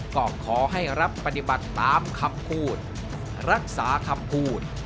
ก็ขอให้รับปฏิบัติตามคำพูดรักษาคำพูด